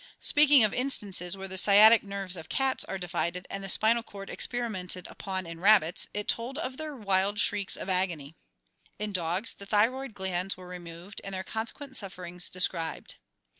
Speaking of instances where the sciatic nerves of cats are divided and the spinal cord experimented upon in rabbits, it told of their wild shrieks of agony. In dogs the thyroid glands were removed and their consequent sufferings described.